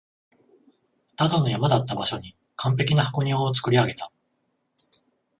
ただの山だった場所に完璧な箱庭を造り上げた